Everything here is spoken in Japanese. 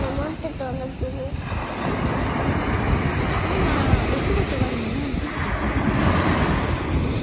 ママお仕事終わるの何時って言ってた？